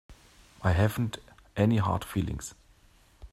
I haven't any hard feelings.